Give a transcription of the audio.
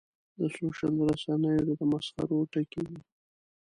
د سوشل رسنیو د مسخرو ټکی وي.